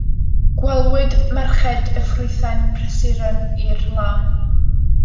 Gwelwyd merched y ffrwythau'n prysuro i'r lan.